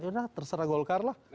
yaudah terserah golkar lah